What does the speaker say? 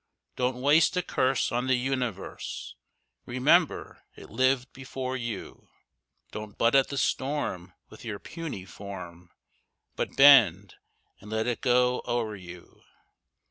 Don't waste a curse on the universe, Remember, it lived before you; Don't butt at the storm with your puny form, But bend and let it go o'er you.